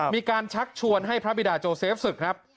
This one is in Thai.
ชักชวนให้พระบิดาโจเซฟศึกครับ